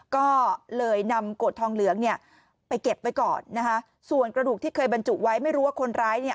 ก็เลยนำโกรธทองเหลืองเนี่ยไปเก็บไว้ก่อนนะคะส่วนกระดูกที่เคยบรรจุไว้ไม่รู้ว่าคนร้ายเนี่ย